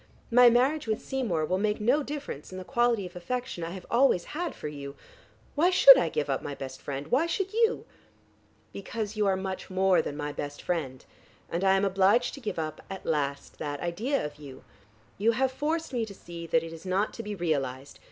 My marriage with Seymour will make no difference in the quality of affection I have always had for you. Why should I give up my best friend? Why should you?" "Because you are much more than my best friend, and I am obliged to give up, at last, that idea of you. You have forced me to see that it is not to be realized.